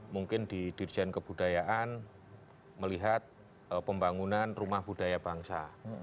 mungkin di dirjen kebudayaan melihat pembangunan rumah budaya bangsa